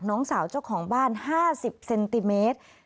น้องสาวเจ้าของบ้าน๕๐เซนติเมตร